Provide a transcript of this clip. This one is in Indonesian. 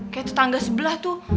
kayak tetangga sebelah tuh